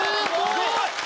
すごい。